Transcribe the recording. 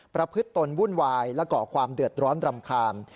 ประพฤติตนวุ่นวายและก่อความเดือดร้อนรำคาญ